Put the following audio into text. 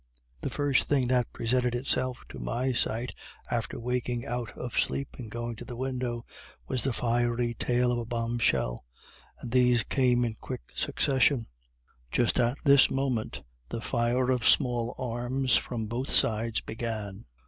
The first thing that presented itself to my sight, after awaking out of sleep and going to the window, was the fiery tail of a bombshell and these came in quick succession. Just at this moment, the fire of small arms from both sides began.